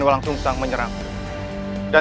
masuklah ke dalam